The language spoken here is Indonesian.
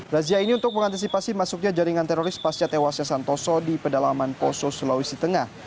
razia ini untuk mengantisipasi masuknya jaringan teroris pasca tewasnya santoso di pedalaman poso sulawesi tengah